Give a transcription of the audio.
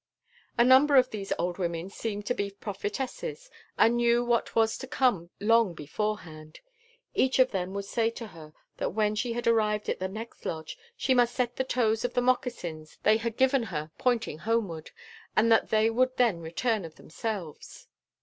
A number of these old women seemed to be prophetesses, and knew what was to come long beforehand. Each of them would say to her that when she had arrived at the next lodge, she must set the toes of the moccasins they had given her pointing homeward, and that they would then return of themselves.